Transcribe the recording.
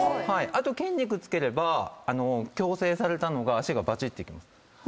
あと筋肉つければ矯正されたのが足がバチッといきます。